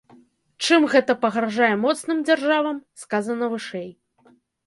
Чым гэта пагражае моцным дзяржавам, сказана вышэй.